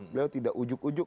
beliau tidak ujuk ujuk